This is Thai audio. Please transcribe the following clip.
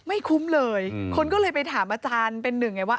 ไม่คุ้มเลยคนก็เลยไปถามอาจารย์เป็นหนึ่งไงว่า